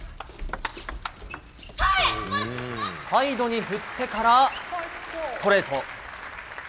サイドに振ってからストレート。